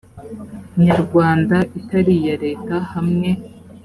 nyarwanda itari iya leta hamwe